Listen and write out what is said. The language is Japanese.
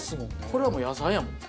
これはもう野菜やもん。